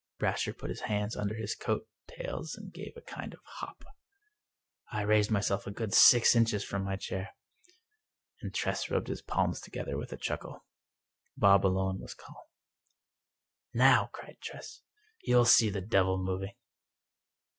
Brasher put his hands under his coat tails and gave a kind of hop. I raised myself a good six inches from my chair, and Tress rubbed his palms together with a chuckle. Bob alone was calm. '" Now/' cried Tress, " you'll see the devil moving."